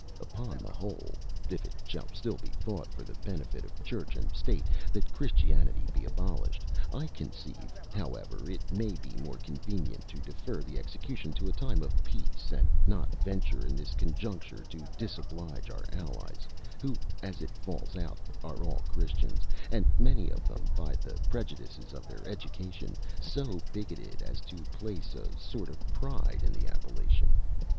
Upon the whole, if it shall still be thought for the benefit of Church and State that Christianity be abolished, I conceive, however, it may be more convenient to defer the execution to a time of peace, and not venture in this conjuncture to disoblige our allies, who, as it falls out, are all Christians, and many of them, by the prejudices of their education, so bigoted as to place a sort of pride in the appellation.